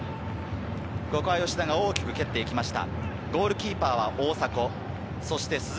ここは吉田が大きく蹴って行きました。